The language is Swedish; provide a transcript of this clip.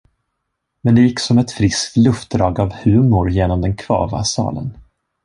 Men det gick som ett friskt luftdrag av humor genom den kvava salen.